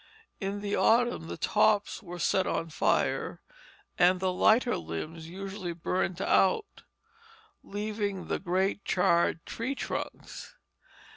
In the autumn the tops were set on fire, and the lighter limbs usually burned out, leaving the great charred tree trunks.